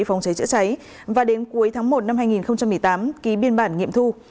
phòng cháy chữa cháy và đến cuối tháng một năm hai nghìn một mươi tám ký biên bản nghiệm thu